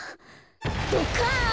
ドカン。